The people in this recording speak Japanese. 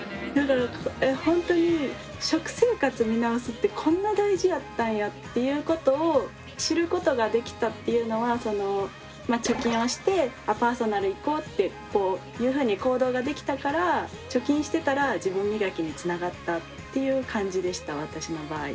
ほんとに食生活見直すってこんな大事やったんやっていうことを知ることができたっていうのは貯金をしてあっパーソナル行こうっていうふうに行動ができたから貯金してたら自分磨きにつながったっていう感じでした私の場合。